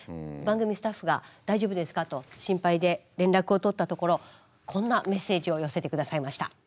番組スタッフが大丈夫ですかと心配で連絡を取ったところこんなメッセージを寄せて下さいました。